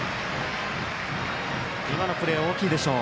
今のプレー、大きいでしょう。